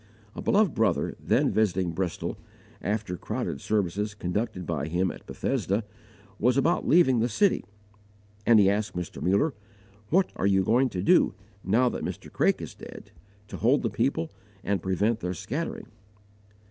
A beloved brother, then visiting Bristol, after crowded services conducted by him at Bethesda, was about leaving the city; and he asked Mr. Muller, "What are you going to do, now that Mr. Craik is dead, to hold the people and prevent their scattering?"